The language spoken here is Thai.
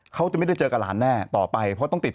เขาไม่ได้เจอกับหลานแน่ต่อไป